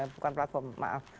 bukan platform maaf